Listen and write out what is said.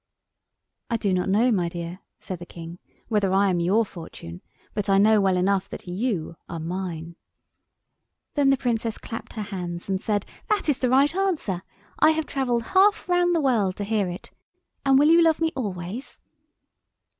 "I do not know, my dear," said the King, "whether I am your fortune, but I know well enough that you are mine!" Then the Princess clapped her hands and said, "That is the right answer! I have travelled half round the world to hear it; and will you love me always?"